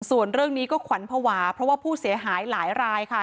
ส่วนเรื่องนี้ก็ขวัญภาวะเพราะว่าผู้เสียหายหลายรายค่ะ